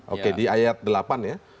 oke di ayat delapan ya